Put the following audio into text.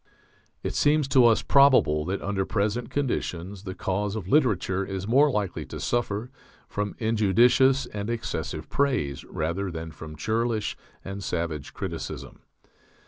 It seems to us probable that under present conditions the cause of literature is more likely to suffer from injudicious and excessive praise rather than from churlish and savage criticism.